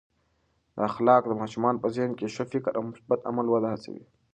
اخلاق د ماشومانو په ذهن کې د ښه فکر او مثبت عمل وده هڅوي.